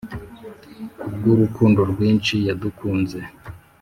Kubw’urukundo rwinshi yadukunze,